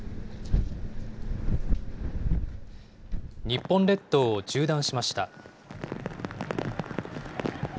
日本列島を縦断しました。